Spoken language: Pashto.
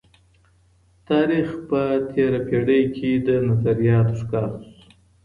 تاریخ په تیره پیړۍ کي د نظریاتو ښکار سو.